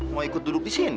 mau ikut duduk disini